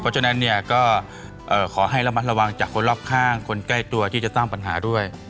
เพราะฉะนั้นเนี่ยก็ขอให้ระมัดระวังจากคนรอบข้างคนใกล้ตัวที่จะสร้างปัญหาด้วย